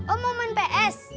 om mau main ps